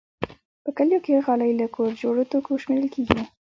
په کلیو کې غالۍ له کور جوړو توکو شمېرل کېږي.